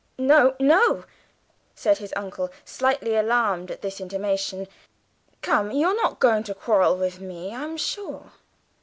"No, no," said his uncle, slightly alarmed at this intimation. "Come, you're not going to quarrel with me, I'm sure!"